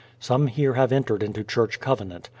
Some here have entered into church covenant.